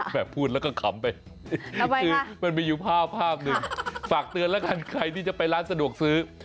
พูดแล้วก็ขำไปคือมันมีอยู่ภาพภาพหนึ่งฝากเตือนแล้วกันใครที่จะไปร้านสะดวกซื้อ